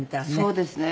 そうですね。